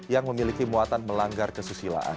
yang memiliki muatan melanggar kesusilaan